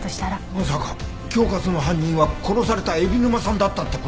まさか恐喝の犯人は殺された海老沼さんだったって事？